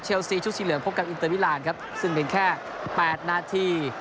เชลซีชุดชีวิตเหลืองพบกับอินเตอร์วิลานครับซึ่งเป็นแค่๘นาที